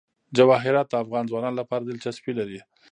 جواهرات د افغان ځوانانو لپاره دلچسپي لري.